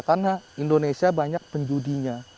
karena indonesia banyak penjudinya